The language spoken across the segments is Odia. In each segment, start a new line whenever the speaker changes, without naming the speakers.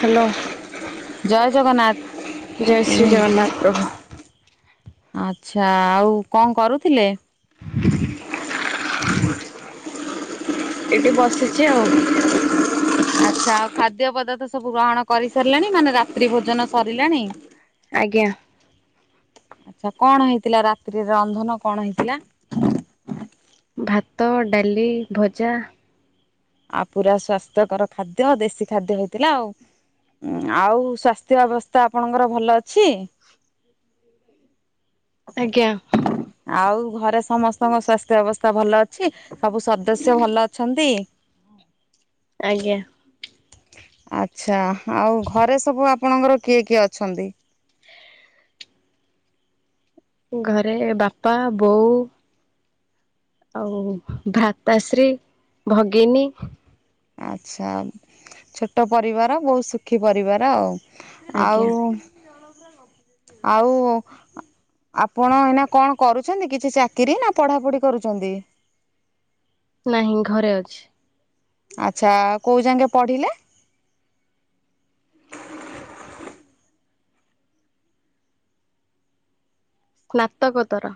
ହ୍ୟାଲୋ। ଜୟ ଶ୍ରୀ ଜଗନ୍ନାଥ ପ୍ରଭୁ।
ଆଚ୍ଛା ଆଉ କଣ କରୁଥିଲେ?
ଏଠି ବସିଚି ଆଉ।
ଆଚ୍ଛା ଆଉ ଖାଦ୍ୟ ପଦାର୍ଥ ସବୁ ଗ୍ରହଣ କରିସାରିଲଣି ମାନେ ରାତ୍ରି ଭୋଜନ ସରିଲାଣି?
ଆଜ୍ଞା।
ଆଚ୍ଛା କଣ ହେଇଥିଲା ରାତ୍ରିରେ ରନ୍ଧନ କଣ ହେଇଥିଲା?
ଭାତ, ଡାଲି, ଭଜା।
ଆଉ ପୁରା ସ୍ଵାସ୍ଥ୍ୟକରଖାଦ୍ୟ ଦେଶୀଖାଦ୍ୟ ହେଇଥିଲା ଆଉ। ଆଉ ସ୍ୱାସ୍ଥ୍ୟ ଅବସ୍ଥା ଆପଣଙ୍କର ଭଲ ଅଛି?
ଆଜ୍ଞା।
ଆଉ ଘରେ ସମସ୍ତଙ୍କ ସ୍ବାସ୍ଥ୍ୟ ଅବସ୍ଥା ଭଲ ଅଛି ସବୁ ସଦସ୍ୟ ଭଲ ଅଛନ୍ତି।
ଆଜ୍ଞା।
ଆଚ୍ଛା ଆଉ ଘରେ ସବୁ ଆପଣଙ୍କର କିଏ କିଏ ଅଛନ୍ତି?
ଘରେ ବାପା ବୋଉ ଆଉ ଭ୍ରାତାଶ୍ରୀ ଭଗିନୀ।
ଆଚ୍ଛା ଛୋଟ ପରିବାର ବହୁତ ସୁଖୀ ପରିବାର ଆଉ।
ଆଜ୍ଞା
ଆଉ ଆଉ ଆପଣ ଏଇନା କଣ କରୁଛନ୍ତି କିଛି ଚାକିରି ନା ପଢାପଢି କରୁଛନ୍ତି?
ନାହିଁ ଘରେ ଅଛି।
ଆଚ୍ଛା କୋଉ ଯାଙ୍କେ ପଢିଲେ?
ସ୍ନାତକୋତର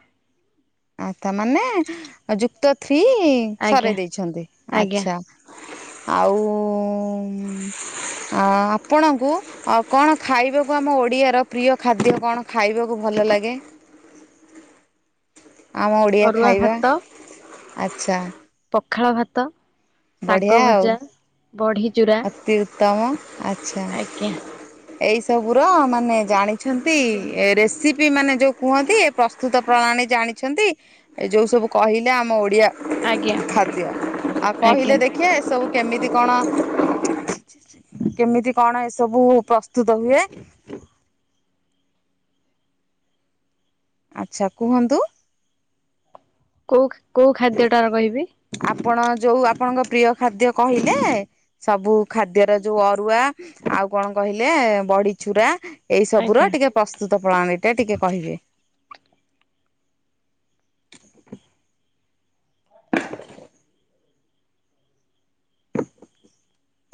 ଆ ତା ମାନେ ଯୁକ୍ତ ଫି
ଆଜ୍ଞା
ସରେଇ ଦେଇଛନ୍ତି
ଆଜ୍ଞା
ଆଚ୍ଛା ଆଉ ହୁଁ। ଆପଣଙ୍କୁ କଣ ଖାଇବାକୁ ଆମ ଓଡ଼ିଆର ପ୍ରିୟ ଖାଦ୍ୟ କଣ ଖାଇବାକୁ ଭଲ ଲାଗେ। ଆମ ଓଡ଼ିଆ
ଅରୁଆ
ଖାଇବା
ଭାତ
ଆଚ୍ଛା।
ପଖାଳ ଭାତ ଶାଗ ଭଜା ବଢି ଚୁରା
ଅତିଉତ୍ତମ ଆଚ୍ଛା।
ଆଜ୍ଞା
ଏଇ ସବୁର ମାନେ ଜାଣିଛନ୍ତି ଏ ରେସିପି ମାନେ ଯୋଉ କୁହନ୍ତି ପ୍ରସ୍ତୁତ ପ୍ରଣାଳୀ? ଜାଣିଛନ୍ତି ଯୋଉ ସବୁ କହିଲେ ଆମ ଓଡ଼ିଆ
ଆଜ୍ଞା
ଖାଦ୍ୟ ଆଉ
ଆଜ୍ଞା
କହିଲେ ଦେଖିଆ ଏସବୁ କେମିତି କଣ? କେମିତି କଣ ଏସବୁ ପ୍ରସ୍ତୁତ ହୁଏ? ଆଚ୍ଛା କୁହନ୍ତ।
କୋଉ କୋଉ ଖାଦ୍ୟଟାର କହିବି?
ଆପଣ ଯୋଉ ଆପଣଙ୍କ ପ୍ରିୟ ଖାଦ୍ୟ କହିଲେ ସବୁ ଖାଦ୍ୟର ଯୋଉ ଅରୁଆ ଆଉ କଣ କହିଲେ ବଡି ଚୁରା। ଏଇ ସବୁର
ଆଜ୍ଞା
ଟିକେ ପ୍ରସ୍ତୁତ ପ୍ରଣାଳୀ ଟା ଟିକେ କହିବେ।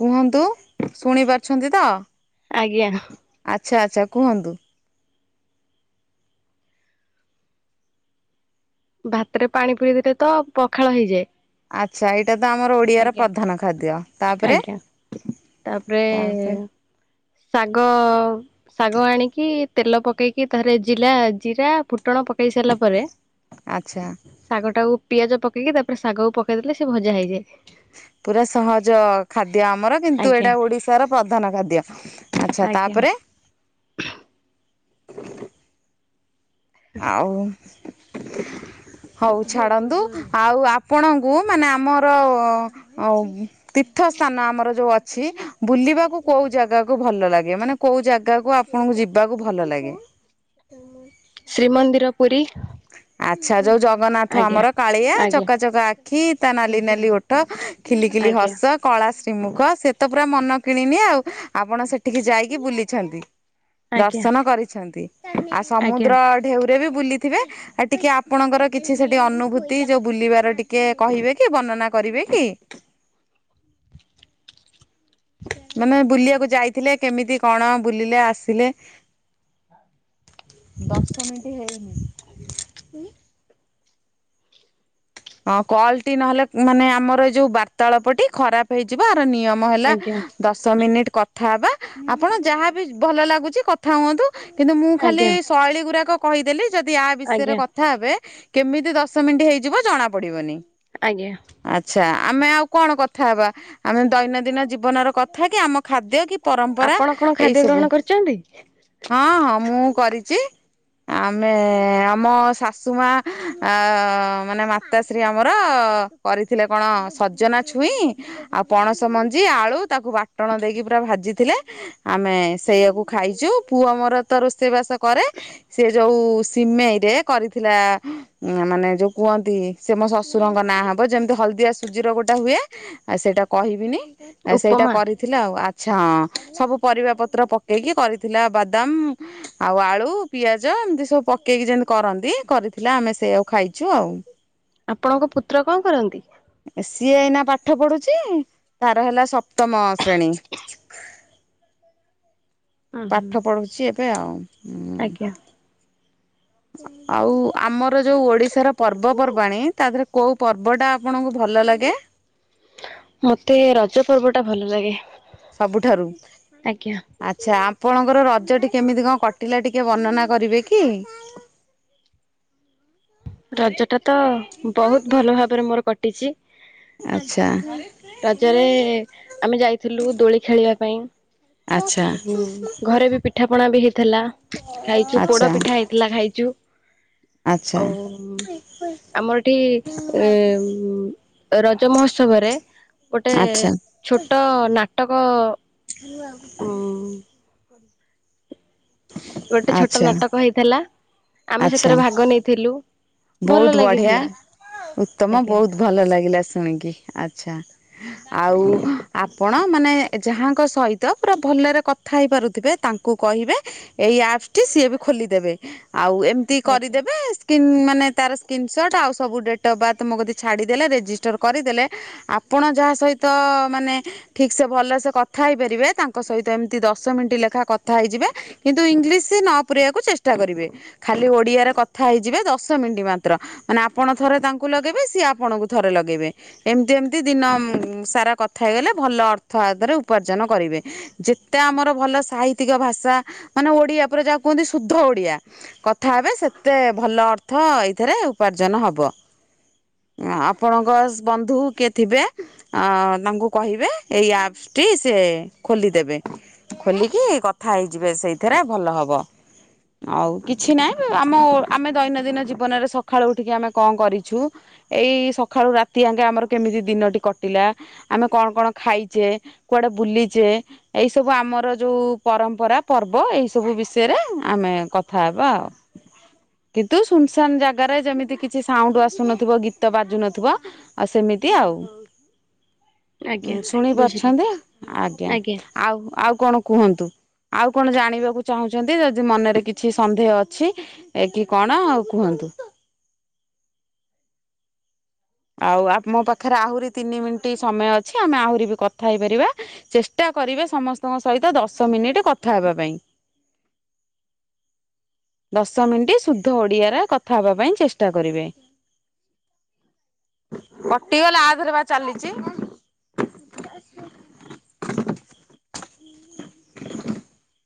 କୁହନ୍ତୁ ଶୁଣି ପାରୁଛନ୍ତି ତ?
ଆଜ୍ଞା।
ଆଛା ଆଚ୍ଛା କୁହନ୍ତୁ।
ଭାତରେ ପାଣି ପୁରଇଦେଲେତ ପଖାଳ ହେଇଯାଏ।
ଆଚ୍ଛା ଏଇଟା ତ ଆମର ଓଡିଆର
ଆଜ୍ଞା।
ପ୍ରଧାନ ଖାଦ୍ୟ ତାପରେ।
ଆଜ୍ଞା ତାପରେ
ତାପରେ
ଶାଗ ଶାଗ ଆଣିକି ତେଲ ପକେଇକି ଥରେ ଜିଲା ଜିରା ଫୁ ଫୁଟଣ ପକାଇ ସାରିଲା ପରେ
ଆଚ୍ଛା
ଶାଗଟାକୁ ପିଆଜ ପକେଇକି ତାପରେ ଶାଗକୁ ପକେଇଦେଲେ ସେ ଭଜା ହେଇଯାଏ।
ପୁରା ସହଜ ଖାଦ୍ୟ ଆମର। କିନ୍ତୁ
ଆଜ୍ଞା
ଏଇଟା ଓଡିଶାର ପ୍ରଧାନ ଖାଦ୍ୟ ଆଚ୍ଛା
ଆଜ୍ଞା
ତାପରେ। ଆଉ। ହଉ ଛାଡନ୍ତୁ ଆଉ ଆପଣଙ୍କୁ ମାନେ ଆମର ଉ ତିର୍ଥ ସ୍ଥାନ ଆମର ଯୋଉ ଅଛି ବୁଲିବାକୁ କୋଉ ଜାଗାକୁ ଭଲ ଲାଗେ ମାନେ କୋଉ ଜାଗାକୁ ଆପ ଯିବାକୁ ଭଲ ଲାଗେ।
ଶ୍ରୀମନ୍ଦିର ପୁରୀ।
ଆଚ୍ଛା ଯୋଉ ଜଗନ୍ନାଥ
ଆଜ୍ଞା।
ଆମର କାଳିଆ
ଆଜ୍ଞା
ଚକାଚକା ଆଖି ତା ନାଲି ନାଲି ଓଠ ଖିଲ ଖିଲି
ଆଜ୍ଞା
ହସ କଳା ଶ୍ରୀମୁଖ ସେ ତ ପୁରା ମନ କିଣିନି ଆଉ ଆପଣ ସେଠିକି ଯାଇକି ବୁଲିଛନ୍ତି।
ଆଜ୍ଞା
ଦର୍ଶନ କରିଛନ୍ତି ଆଉ
ଆଜ୍ଞା
ସମୁଦ୍ର ଢେଉରେ ବି ବୁଲି ଥିବେ ଆଉ ଟିକେ ଆପଣଙ୍କର କିଛି ସେଠି ଅନୁଭୂତି ଯୋଉ ବୁଲିବାର ଟିକେ କହିବେ କି ବର୍ଣନା କରିବେ। କି? ମାନେ ବୁଲିବାକୁ ଯାଇଥିଲେ କେମିତି କଣ ବୁଲିଲେ ଆସିଲେ। ଦଶ ମିନିଟ ହେଇନି। ହଁ କଲଟି ନହେଲେ ମାନେ ଆମର ଏ ଯୋଉ ବାର୍ତ୍ତାଳପଟି ଖରାପ ହେଇଯିବ। ନିୟମ ହେଲା
ଆଜ୍ଞା
ଦଶ ମିନିଟ କଥା ହେବା ଆପଣ ଯାହାବି ଭଲ ଲାଗୁଛି କଥା ହୁଅନ୍ତୁ କିନ୍ତୁ ମୁଁ ଖାଲି
ଆଜ୍ଞା।
ଶୈଳୀ ଗୁଡାକ କହିଦେଲି। ଯଦି ଆୟ ବିଷୟରେ
ଆଜ୍ଞା
କଥା ହେବେ କେମିତି ଦଶ ମିନିଟ୍ ହେଇଯିବ ଜଣା ପଡିବନି।
ଆଜ୍ଞା।
ଆଚ୍ଛା ଆମେ ଆଉ କଣ କଥା ହେବା ଆମେ ଦୈନନ୍ଦିନ ଜୀବନର କଥା କି ଆମ ଖାଦ୍ୟ କି ପରମ୍ପରାଜ
ଆପଣ କଣ
ଏଇ
ଖାଦ୍ୟ
ସବୁ
ଗ୍ରହଣ କରିଛନ୍ତି?
ହଁ ହଁ ମୁଁ। କରିଛି ଆମେ ଆମ ଶାଶୁ ମା ଅ ମାନେ। ତାଶ୍ରୀ ଆମର କରିଥିଲେ କଣ ସଜନା ଛୁଇଁ ଆଉ ପଣସ ମଞ୍ଜି ଆଳୁ ତାକୁ ବାଟଣ ଦେଇକି ପୁରା ଭାଜିଥିଲେ ଆମେ ସେଇଆକୁ ଖାଇଛୁ ପୁଅ ମର ତ ରୋଷେଇ ବା ସେ କରେ ସେଯୋଉ ସିମେଇରେ କରିଥିଲା ମାନେ ଯୋଉ କୁହନ୍ତି। ସେ ମୋ ଶ୍ୱଶୁରଙ୍କ ନାଁ ହବ ଯେମିତି ହଳଦିଆ ସୁଜିର ଗୋଟା ହୁଏ ଆ ସେଇଟା କହିବିନି। ଆ ସେଇଟା
ଉପମା
କରିଥିଲା ଆଉ ଆ ଆଛା ହଁ ସବୁ ପରିବା ପତ୍ର ପକେଇକି କରିଥିଲା ବାଦାମ ଆଉ ଆଳୁ ପିଆଜ। ଏମତି ସବୁ ପକେଇକି ଯେମିତି କରନ୍ତି କରିଥିଲା ଆମେ ସେଇଅକୁ ଖାଇଛୁ ଆଉ।
ଆପଣଙ୍କ ପୁତ୍ର କଣ କରନ୍ତି।
ସିଏ ଏଇନା ପାଠ ପଢୁଛି ତାର ହେଲା ସପ୍ତମ ଶ୍ରେଣୀ। [inaudible]
ଉଁ ହୁଁ।
ପାଠ ପଢୁଛି ଏବେ ଆଉ ହଁ।
ଆଜ୍ଞା
ଆଉ ଆମର ଯୋଉ ଓଡିଶାର ପର୍ବପର୍ବାଣିୀ ତା ଦେହରେ କୋଉ ପର୍ବଟା ଆପଣଙ୍କୁ ଭଲ ଲାଗେ।
ମତେ ର ସେ ପର୍ବ ଟା ଭଲ ଲାଗେ,
ସବୁଠାରୁ
ଆଜ୍ଞା।
ଆଚ୍ଛା ଆପଣଙ୍କର ରଜଟି କେମିତି କଣ କଟିଲା ଟିକେ ବର୍ଣ୍ଣନା କରିବେ କି? [inaudible]
ରଜ ଟା ତ ବହୁତ ଭଲ ଭାବରେ ମୋର କଟିଛି।
ଆଚ୍ଛା
ରଜରେ ଆମେ ଯାଇଥିଲୁ ଦୋଳି ଖେଳିବା ପାଇଁ
ଆଚ୍ଛା
ଉ ଘରେ ବି ପିଠା ପଣା ବି ହେଇଥିଲା। ଖାଇଛୁ, ପୋଡ
ଆଚ୍ଛା।
ପିଠା ହେଇଥିଲା ଖାଇଛୁ।
ଆଚ୍ଛା
ଓଉ ଆମର ଏଠି ଏ ଉ ରଜ ମହୋତ୍ସବରେ ଗୋଟେ
ଆଚ୍ଛା
ଛୋଟ ନାଟକ ଉ
[inaudible]
ଗୋଟେ ଛୋଟ
ଆଚ୍ଛା
ନାଟକ ହେଇଥିଲା, ଆମେ
ଆଚ୍ଛା
ସେଥିରେ ଭାଗ ନେଇଥିଲୁ। ଭଲ
ବହୁତ ବଢିଆ,
ଲାଗିଥିଲା
ଉତ୍ତମ,
ଆଜ୍ଞା
ବହୁତ ଭଲ ଲାଗିଲା ଶୁଣିକି, ଆଛା। ଆଉ ଆପଣ ମାନେ ଯାହାଙ୍କ ସହିତ ପୁରା ଭଲରେ କଥା ହେଇପାରୁଥିବେ। ତାକୁ ତାଙ୍କୁ କହିବେ- ଏଇ ଆପ ଟି ସିଏ ବି ଖୋଲିଦେବେ ଆଉ ଏମିତି
ଆଜ୍ଞା।
କରିଦେବେ ସ୍କିନ୍ ମାନେ ତାର ସ୍ରି ନିସ ଟ। ଆଉ ସ ବୁ ଡେଟେ ଅଫ୍ ବାଥ ମୋ କ ତି କି ଛାଡି ଦେଲେ ରେଜିଷ୍ଟର କରିଦେଲେ, ଆପଣ ଯାହା ତ ମାନେ ଠିକ ସେ ଭଲ ସେ କଥା ହେଇପାରିବେ, ତାଙ୍କ ସହିତ ଏମିତି ଦଶ ମିନିଟ୍ ଲେଖା କଥା ହେ [unintelligible] ଦ ଶ ମିନିଟ ମାତ୍ର, ମାନେ ଆପଣ ଥରେ ତାଙ୍କୁ ଲଗେଇବେ ସିଏ ଆପଣଙ୍କୁ ଥରେ ଲଗେଇବେ, ଏମିତି ଏମତି ଦିନ ସାରା କଥା ହେଇଗଲେ ଭଲ ଅର୍ଥ ଆଧରେ ଉପାର୍ଜନ କରିବେ, ଯେତେ ଆମର ଭଲ ସାହିତି ତ୍ୟ ଭାଷା ମାନେ ଓଡିଆ ପୁରା ଯାହାକୁ କୁହନ୍ତି ଶୁଦ୍ଧ ଓଡିଆ କଥା ହେବେ, ସେତେ ଭଲ ଅ ଥ ଏଇଥିରେ ଉପାର୍ଜନ ହେବ। ଆପଣଙ୍କ ବନ୍ଧୁ କିଏ ଥିବେ ଅ ତାଙ୍କୁ କହିବେ, ଏଇଆପ ଟି ସେ ଖୋଲିଦେବେ ଖୋଲିକି କଥା ହେଇଯିବେ, ସେଇଥିରେ ଭଲ ହବ ଆଉ କିଛି ନାହିଁ, ଆମ ଆମେ ଦୈନନ୍ଦିନ ଜୀବନରେ ସକାଳୁ ଉଠିକି ଆମେ କଣ କରିଛୁ ଏଇ ସକାଳୁ ରାତି ଆଙ୍କେ ଆମର କେମିତି ଦିନଟି କଟେ ଲା ଆମେ କଣ କଣ ଖାଇଚେ, କୁଆଡେ ବୁଲିଚେ ଏଇ ସବୁ ଆମର ଯୋଉ ପର ପରମ୍ପରା ପର୍ବ ଏଇ ସବୁ ବିଷୟରେ ଆମେ କଥା ହେବା ଆଉ, କିନ୍ତୁ ଶାନ୍ ଜାଗାରେ ଯେମିତି କିଛି ସାଉଣ୍ଡ ଆସୁନଥିବ ଗୀତ ବାଜୁନଥିବ ଆଉ ସେମିତି ଆଉ
ଆଜ୍ଞା
[inaudible] ଶୁଣି
ବୁଝିଲି
ପାରୁଛନ୍ତି ଆଜ୍ଞା, ଆଉ ଆଉ କଣ କୁହନ୍ତୁ? ଆଉ କଣ ଜାଣିବାକୁ ଚାହୁଁଛନ୍ତି, ଯଦି ମନରେ କିଛି ସନ୍ଦେହ ଅଛି ଏ କି କଣ ଆଉ କୁହନ୍ତୁ? ଆଉ ଆମ ପାଖରେ ଆହୁରି ତିନି ମିନିଟ ସମୟ ଅଛି ଆମେ ଆହୁରି ବି କଥା ହେଇପାରିବା ଚେଷ୍ଟା କରିବେ ସମସ୍ତଙ୍କ ସହିତ ଦଶ ମିନିଟ କଥା ହେବା ପାଇଁ। ଦଶ ମିନିଟ ଶୁଦ୍ଧ ଓଡ଼ିଆର କଥା ହେବା ପାଇଁ ଚେଷ୍ଟା କରିବେ। [inaudible] କଟିଗଲା ଆଧରେ ବା ଚାଲିଛି। [inaudible]